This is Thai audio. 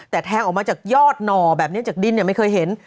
แต่แทงออกมาจากยอดหน่อแบบนี้จากดินไม่เคยเห็น